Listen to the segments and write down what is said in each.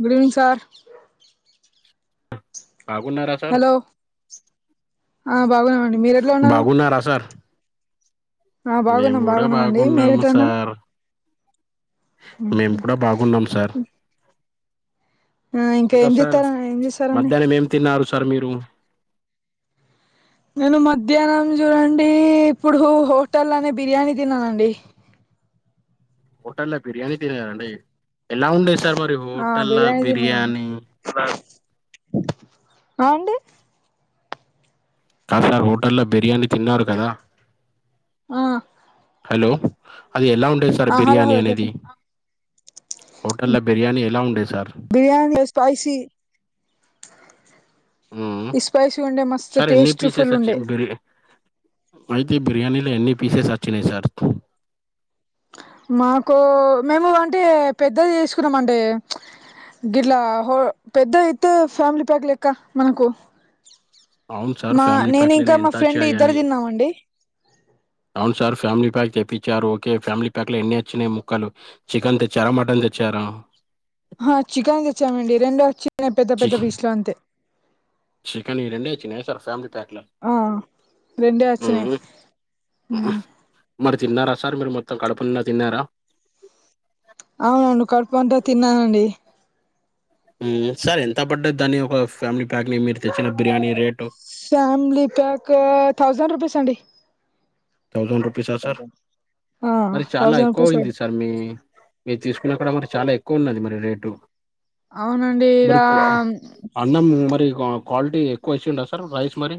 Good evening sir బాగున్నారా sir hello ఆ బాగున్న బాగున్నార సార్ ఆ మేము బాగున్నాం కూడా బాగున్నామ అండి మీర బాగున్నాము ఎట్ల వున్నరు సార్ మేము కూడా బాగున్నాం సార్ ఆ ఇంకా ఏం సార్ చేస్తారా ఏం చేస్తారండి మధ్యాహ్నం ఏం తిన్నారు సార్ మీరు నేను మధ్యాహ్నం చూడండి ఇప్పుడు హోటల్ నే బిర్యానీ తిన్నానండి హోటల్ బిర్యానీ తినారండి ఎలా ఉండెస్ సార్ మరి ఆ హోటల బిర్యానీ ఆండి కాసార్ హోటల్ల బిర్యానీ తిన్నారు కదా ఆ హలో అది ఎలా ఉండేది సార్ ఆ హలో బిర్యానీ హలో అనేది చెప్పండి హోటల్ల బిర్యానీ ఎలా ఉండేది సార్ బిర్యానీ ఎస్ స్పైసి మ్మ్ ఈ స్పైసి సార్ ఎన్ని పీసెస్ వచ్చి ఇపుడు రే అయితే బిర్యానీల ఎన్ని పీసెస్ వచ్చినాయి సార్ మాకు మేము అంటే పెద్దది తీసుకున్నామండి గిట్ల హో పెద్దది ఇతే ఫ్యామిలీ ప్యాక్ లెక్క మనకు అవును సార్ మా ఫ్యామిలీ నేను ప్యాక్లనే ఇంకా మా ఎంత ఫ్రెండ్ ఇద్దరు అచయని తిన్నామండి అవును సార్ ఫ్యామిలీ ప్యాక్ తెప్పించారు ఓకే ఫ్యామిలీ ప్యాక్ లో ఎన్ని వచ్చినయి ముక్కలు చికెన్ తెచ్చారా మటన్ తెచ్చార ఆహ చికెన్ తెచ్చామండి రెండోచ్చ పెద్ద చి పెద్ద పీస్ లు అంతే చికెన్ ఈ రెండే తినేసారా ఫ్యామిలీ ప్యాక్ ఆ రెండే వచ్చినాయి మరి తిన్నారా సార్ మీరు మొత్తం కడుపు నిండా తిన్నారా ఆ నేను కడుపు అంతా తిన్నానండి ఊ సార్ ఎంత పడ్డది దాని ఒక ఫ్యామిలీ ప్యాక్ ని మీరు తెచ్చిన biryani rate family pack thousand rupees అండి థౌసండ్ రూపీసా సార్ ఆ మరి చాలా థౌజండ్ రూపీస్ ఎక్కువయింది సార్ మీ మీ తీసుకు ఇగ అక్కడ మరి చాలా ఎక్కువ ఉన్నది మరి రేటు అవునండి ఇక మరి కు అన్నం మరి క క్వాలిటీ ఎక్కువ ఏసిండా సార్ రైస్ మరి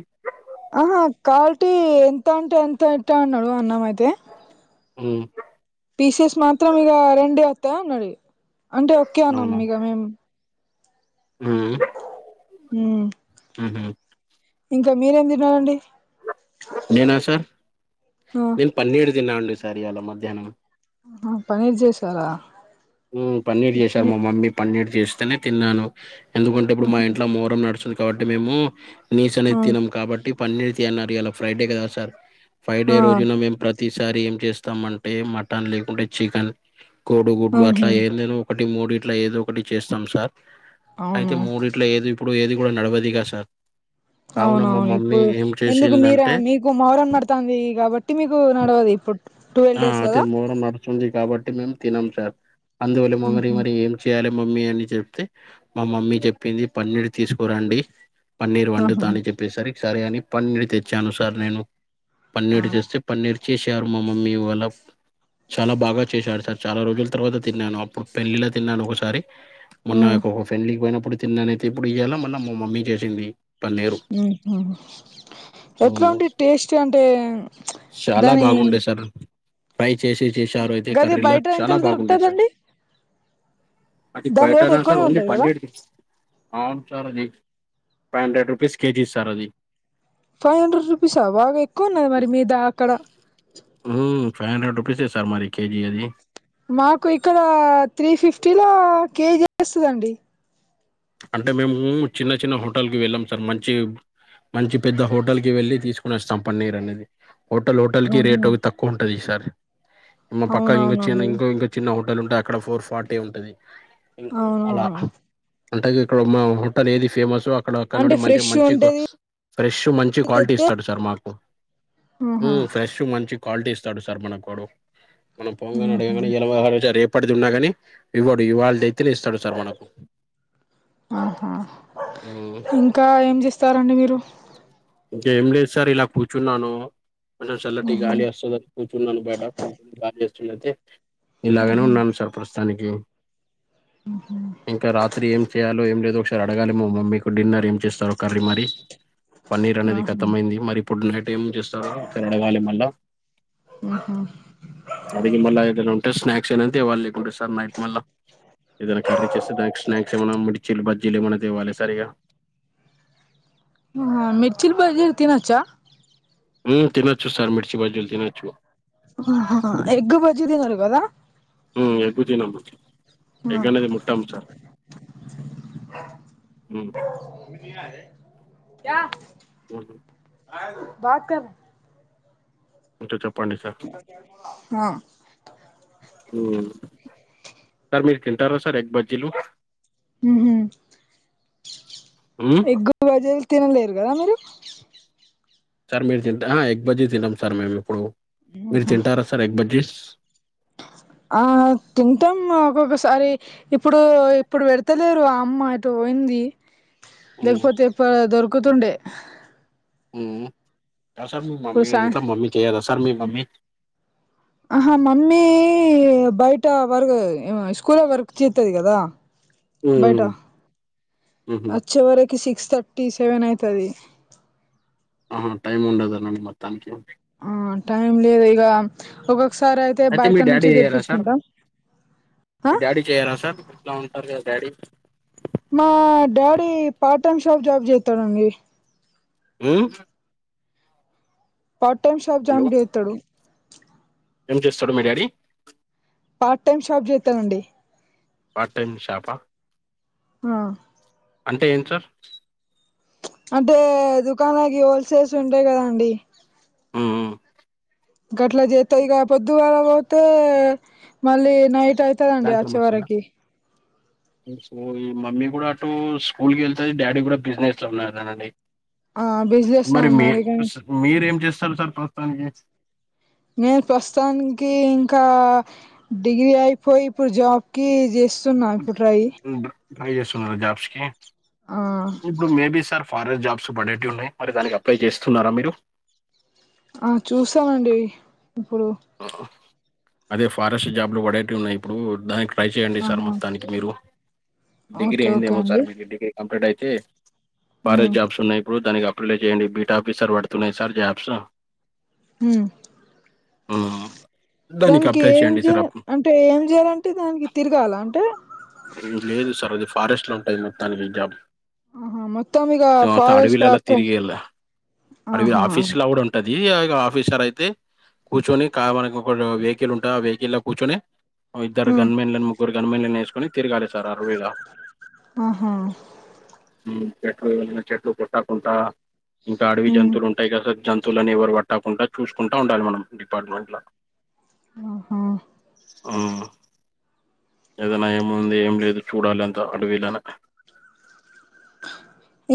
ఆహా కల్టీ ఎంత అంటే ఎంత ఏటా అన్నాడు అన్నమయితే ఊ పీసెస్ మాత్రం ఇగ రెండే వత్తయ్ అన్నడు అంటే ఓకె అన్నం ఇగ మేం ఊ ఊ ఉహు ఇంకా మీరేం తిన్నారండి నేనా సార్ నేను పన్నీరు తిన్నా అండి సార్ ఇవాళ మధ్యాహ్నం పనిర్ చేసారా ఊ పన్నీర్ చేశారు మా ఆహా మమ్మీ పన్నీర్ చేస్తేనే తిన్నాను ఎందుకంటే ఇప్పుడు మా ఇంట్లో మోరం నడుస్తుంది కాబట్టి మేము నీస ఆ అనేది తినం కాబట్టి పన్నీరు తీ అన్నారు ఇలా ఫ్రైడే కదా సార్ ఫ్రైడే రోజున ఆ మేం ప్ర తిసారి ఏం చేస్తామంటే మటన్ లేకుంటే చికెన్ కోడుగుడ్లు అట్లా ఆహా ఏందో ఒకటి మూడిట్ల ఏదో ఒకటి చేస్తాం సార్ అయితే అవును మూడిట్ల ఏది ఇప్పు ఏది కూడా నడవదిగ సార్ కావున మా అవునవును మమ్మీ ఇప్పుడు ఏం ఎందుకు మీర చేసిందంటే మీకు మౌరం నడుతంది కాబట్టి మీకు నడవదు ఇప్పుడు ట్వెల్వ్ ఆ డేస్ అదే కదా మొహరం నడుస్తుంది కాబట్టి మేము తినం సార్ అందువల్ల మమీ హుహు. మరి ఏం చేయాలి మమ్మీ అని చెప్తే మా మమ్మీ చెప్పింది పన్నీర్ తీసుకురండి పన్నీర్ ఆహా వండుతా అని చెప్పేసరికి సరే అని పన్నీర్ తెచ్చాను సార్ నేను పన్నీర్ చేస్తే పన్నీర్ చేసేరు మా మమ్మీ ఇవల చాలా బాగా చేశాడు సార్ చాలా రోజుల తర్వాత తిన్నాను అప్పుడు పెళ్ళిలో తిన్నాను ఒకసారి మొన్న ఉమ్ ఫ్రెడ్లీకి పోయినప్పుడు తిన్నానైతే ఇప్పుడు ఇయ్యాల మొళ మా మమ్మీ చేసింది పన్నీరు ఆహ ఎట్లా ఉమ్, ఉంటే టేస్ట్ అంటే చాలా దాని బాగుండే సార్ ఫ్రై చేసి చేశారు అయితే గది కర్రీలో బయట చాలా ఎంతలో బాగుండే సార్ దొరుకుతదండి అది దాని రేట్ బైయిటనా సార్ ఎక్కువనే ఓన్లీ ఉంటది కదా పన్నిడు అవును సార్ అది five hundred rupees KG sir అది ఫైవ్ హండ్రెడ్ రూపీసా బాగా ఎక్కువ ఉన్నది మరి మీద అక్కడ ఉమ్ ఫైవ్ హండ్రెడ్ రుపీస్ సార్ మరి కేజీ అది మాకు కేజి చేస్తదండి అంటే మేము చిన్న చిన్న హోటల్ కి వెళ్ళాం సార్ మంచి మంచి పెద్ద హోటల్ కి వెళ్ళలి తీసుకుని వస్తాం పన్నీరు అనేది హోటల్ హోటల్ కి రేట్ ఆహా తక్కువ ఉంటుది సార్ మా పక్క ఇం చిన్న అవునవునండి ఇంకో ఇంకా చిన్న హల్ ఉంటే అక్కడ ఫోర్ ఫార్టీ ఉంటంది ఇం అలా అవునవును అంటే ఇక్కడ మా హోటల్ ఏది ఫేమస్ అక్కడ అక్కడ అంటే నుండి మంచి ఫ్రెష్ మంచి ఉంటేది ఫ్రెష్ మంచి క్వాలిటీ తెత్తే ఇస్తాడు సార్ మాకు ఆహా ఫ్రెష్ మంచి క్వాలిటీ ఇస్తాడు సార్ మనకు మనం పొంగనే ఉహు అడిగాగాని ఎల రేపటిది ఉన్నా కాని ఇవ్వడు ఇవాల్టిది అయితేనే ఇస్తాడు సార్ మనకు ఆహా ఉమ్, ఇంకా ఏం చేస్తారండి మీరు ఏం లేదు సార్ ఇలా కూర్చున్నాను కొంచం చల్లటి ఉహు గాలి వస్తుందిని కూర్చున్నాను బయట కూర్చుని గాలి వస్తుండయితే ఇలాగనే ఉహు ఉన్నాము సార్ ప్రస్తుతానికి ఇంకా రాత్రి ఏం చేయాలో ఏం లేదో సార్ అడగాలి మా మమ్మీకు డిన్నర్ ఏం చేస్తారో కర్రీ మరి పన్నీర్ అనేది ఆహా ఖతమయింది మరి ఇప్పుడు నైట్ ఏం చేస్తారు ఒకసారి అడగాలి మల్ల అడిగి మళ్ళీ ఏదైనా స్నాక్స్ స్నాక్స్ ఐన తేవాలే లేకుంటే సార్ నైట్ మల్ ఏదైనా కర్రీ చేస్తే స్నాక్స్మ మీరిచి జిలు మన దేవాలే సార్ ఇగ మిర్చిలు బజ్జిలు తినచ్చ ఉ తినొచ్చు సార్ మిర్చి బజ్జీలు తినొచ్చు హా ఎగ్ బజ్జీ తిన్నారు కదా ఉ ఎగ్గు తినము ఆ ఎగ్నేది ముట్టాము సార్ హ్మ్ యా ఆ బాత్ కర్ ఓ ఆ ఉ సార్ మీరు తింటారా సార్ ఎగ్ బజ్జీలు హుమ్ హ్మ్ ఎగ్గు బజ్జీలు తినలేరు కదా మీరు సార్ మీరు తింట ఎగ్బజీ తినం సార్ మేము ఎప్పుడు మీరు తింటారా సార్ ఎగ్ బజీ ఆ తింటాం ఒక్కొక్కసారి ఇప్పుడు ఇప్పుడు పెడతేలేరు ఆ అమ్మ ఎటో పోయి ఉంది హ్మ్ లేకపోతే ఇ దొరుకుతుండే సార్ మీ ఇప్పుడు మమ్మీ సా అంత మమ్మీ చేయదా సార్ మీ మమ్మి ఆహా మమ్మీ బయట వర్గ్ స్కూల్ వర్క్ చేతది కదా. బయటా హ్మ్ ఊహూ అచ్చే వరేకి సిక్స్ థర్టీ సెవెన్ అయితది. ఆ టైమ్ ఉండదానండి మొత్తానికి ఆ టైం లేదు ఇగ ఒక్కొక్కసారి అయితే మీ బయట డాడీ నుంచి చెయ్యరా సార్ తెప్పిచుకుంటాం. మీ డాడీ చేయరా సార్ ఇంట్ల ఉంటారు. కదా డాడీ మా daddy part time shop job చేత్తడండి. ఉమ్ పార్ట్ టైమ్ షాప్ హలో జామ్ జెత్తడు. ఏం చేస్తాడు? మీ డాడీ పార్ట్ టైమ్ షాప్ జెత్తడండి. పార్ట్ టైమ్ షాపా ఆ అంటే ఎంట్ సార్ అంటే దుకాణలకి హోల్సేల్స్ ఉంటాయి కదా అండి. ఉమ్ గట్లా జెత్తే ఇగ పొద్దుగాల పోతే మళ్ళీ నైట్ నైట్ అయితదండి. సాయంత్రం అచ్చే వస్తడా వరకి సో ఈ మమ్మీ కూడా అటు స్కూల్ కి వెళ్తది. డాడీ కూడా బిజినెస్ లో ఉన్నారు కదండి. ఆ బిజినెస్ లో మరి మీ ఉన్నారు ఇక మీరేం చేస్తారు సార్ ప్రస్తానికి నేను ప్రస్తుతానికి ఇంకా డిగ్రీ అయిపోయి ఇప్పుడు జాబ్ కి జెస్ చుత్తున్నా ఇప్పుట్రై ట్రై చేస్తున్నారా జాబ్స్ కి ఆ ఇప్పుడు మేబి సర్ ఫారెస్ట్ జాబ్స్ పడేట్వి ఉన్నాయి. మరి దానికి అప్లై చేస్తున్నారా మీరు? ఆ చూసామండి. అదే ఫారెస్ట్ జాబ్లు పడేటివి ఉన్నాయి ఇప్పుడు దానికి ట్రై చేయండి. సార్ ఆహా మొత్తానికి మీరు డిగ్రీ ఓకే ఓకే అయిందేమో సార్ అండి మీది డిగ్రీ కంప్లీట్ అయితే ఫారెస్ట్ ఉమ్ జాబ్స్ ఉన్నాయి. ఇప్పుడు దానికి అప్లై చేయండి బీటా ఆఫీసర్ పడుతున్నాయి సార్ జాబ్స్ హ్మ్ ఉమ్ దానికి ఏం చేయ అంటే ఏం చేయాలంటే దానికి తిరగాల అంటే లేదు సార్ అది ఫారెస్ట్ లో ఉంటుంది. మొత్తానికి జాబ్ ఆహా మొత్తం ఇక మొత్తం ఫారెస్ట్ అడవిలల్లా అక్క తిరిగేల్లా అడవిల ఆహా ఆఫీస్ ల కూడా ఉంటది. ఇది ఆఫీసర్ అయితే కూర్చొని క మనకు ఒకట్ వెహికల్ ఉంటా ఆ వెహికల కూర్చొని ఇద్దరు ఉమ్ గన్ మెన్లని ముగ్గురు గన్ మెన్లని ఏసుకొని తిరగాలి సార్ ఆర్వీల ఆహా చెట్లు చెట్లు కుట్టకుంట ఇంకా అడవి ఉమ్ జంతువులు ఉంటాయి కదా సర్ జన్ జంతువులని ఎవరు పట్టకుండా చూసుకుంటా ఉండాలి. మనం డిపార్ట్మెంట్ ల ఆహా ఆ ఏదే నయం ముందు ఏం లేదు. చూడాలంత అడవిలన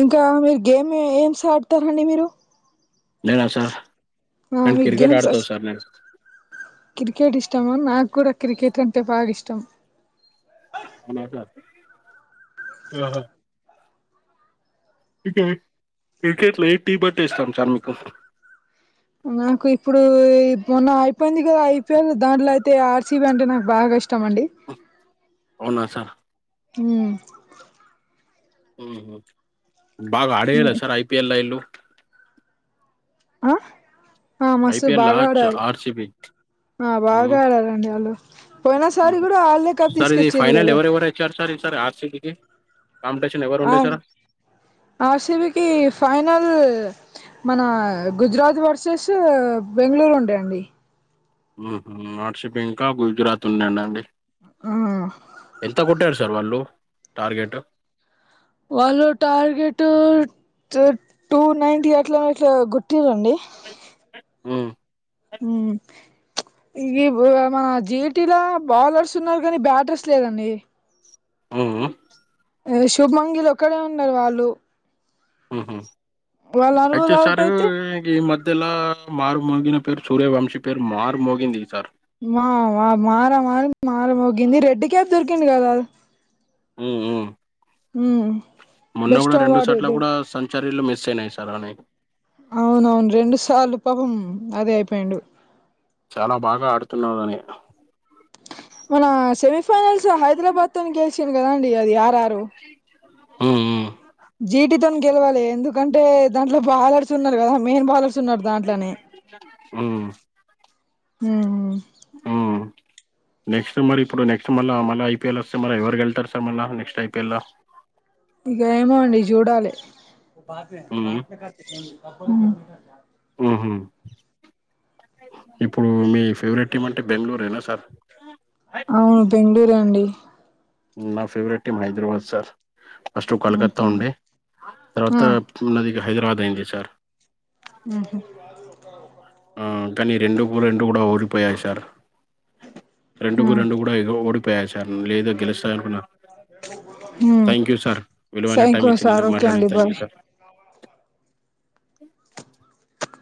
ఇంకా మీరు గేమీ ఏమ్స్ ఆడతారండి. మీరు నేనా సార్ ఆ నేను మీకు క్రికెట్ గేమ్స్ ఆడతా వచ్చ సార్ నేను క్రికెట్ ఇష్టమ నాకు కూడా క్రికెట్ అంటే బాగా ఇష్టం. అవునా కార్తీక్ ఆహా క్రికెట్ క్రికెట్ల ఏం టీం అంటే ఇష్టం సార్ మీకు నాకు ఇప్పుడు మొన్న అయిపోయింది. కదా ఐపీఎల్ దాంట్లో అయితే ఆర్సిబి అంటే నాకు బాగా ఇష్టంమండి. అవునా సార్ ఉమ్ ఉమ్ బాగా అడేయళ హ్మ్. సార్ ఐపిఎల్ లా వీళ్ళు ఆ ఆ మస్తు ఐపీఎల్ బాగా ఆడారు ఆర్సిబి ఆ బాగా ఆడారండి వాళ్ళు పోయిన సారి కూడా వాళ్లే కప్ తీసుకొచ్చిర్రు కదా తార్ ఆర్ సిబికి ఆ ఆర్సిబికి ఫైనల్ మన గుజరాత్ వర్సెస్ బెంగళూరు ఉండే అండి ఉహూ ఆర్ సీబీ ఇంకా గుజరాత్ ఉండెనా అండి ఆ ఎంత కొట్టారు తారు వాళ్ళు టార్గెట్ వాళ్ళు టార్గెట్ టు టూ నైన్టి అట్లా ఇట్లా కొట్టిర్రండి అ [inaudible] ఉమ్ ఈ మన జీటిలో బౌలర్స్ ఉన్నారు కానీ బ్యాటర్స్ లేదండి ఉహూ శుభమంగిల్ ఒక్కడే ఉన్నారు వాళ్ళు ఉహూ వాళ్ళు హెచ్ నలుగురు ఎస్ అవుట్ ఆర్ అయితే సారు ఈ మ ఇలా మారు మోగిన పేరు సూర్యవంశీ పేరు మారుమోగింది ఈ సారీ మా మా మార మ మారమోగింది రెడ్ క్యాప్ దొరికింది కదా ఉహూ ఉమ్ మొన్న బెస్ట్ కూడా రెండు అవార్డు సాట్ల ఇది కూడా సరిళ్లు మిస్ అయినాయి సార్ అని అవునవును రెండు సార్లు పాపం అదే అయిపోయిండు చాలా బాగా ఆడుతున్నాడని మన సెమీఫైనల్స్ హైదరాబాద్ తో గెలిచింది కదాండి అది ఆర్ ఆర్ ఉమ్ జీటితోని గెలవాలి ఎందుకంటే దాంట్లో బాలర్స్ ఉన్నారు కదా మెయిన్ బాల చూస్తున్నాడు దాంట్లోనే ఉమ్ ఉమ్ ఉమ్. నెక్స్ట్ మరి ఇప్పుడు నెక్స్ట్ మళ్ళ మళ్ళీ ఐపీఎల్ వస్తే మరి ఎవరు వెళ్తారు, సార్ మళ్ళ నెక్స్ట్ ఐపీఎల్ ఇగ ఏమో అండి చూడాలి ఉమ్ ఉహూ ఇప్పుడు మీ ఫేవరెట్ టీమ్ అంటే బెంగళూరేనా సార్ అవును బెంగళూరే అండి ఉమ్ నా favourite team Hyderabad sir first Calcutta ఉండే తర్వాత ఆ నాది హైదరాబాద్ అయింది సార్ ఉహూ ఆ కానీ రెండు రెండు కూడా ఓడిపోయాయి సార్ రెండుకు రెండు కూడా ఓడిపోయాయ్ ఉమ్ థ్యాంక్ యూ సార్ విలువైన టైం సైకో సార్ ఇచ్చినందుకు ఒకే అండి మాట్లాడండి వ థ్యాంక్ యూ సార్ [unintelligible]